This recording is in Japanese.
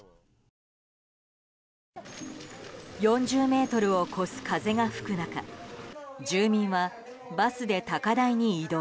４０メートルを超す風が吹く中住民はバスで高台に移動。